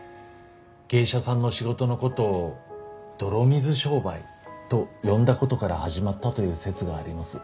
芸者さんの仕事のことを「泥水商売」と呼んだことから始まったという説があります。